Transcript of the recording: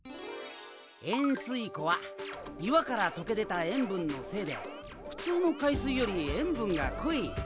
塩水湖は岩から溶け出た塩分のせいで普通の海水より塩分が濃い。